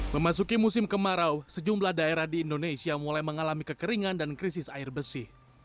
memasuki musim kemarau sejumlah daerah di indonesia mulai mengalami kekeringan dan krisis air bersih